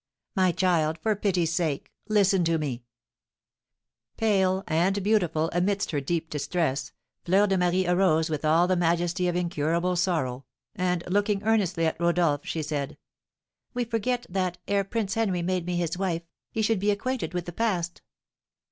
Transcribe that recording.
"My child, for pity's sake, listen to me!" Pale and beautiful amidst her deep distress, Fleur de Marie arose with all the majesty of incurable sorrow, and, looking earnestly at Rodolph, she said, "We forget that, ere Prince Henry made me his wife, he should be acquainted with the past!"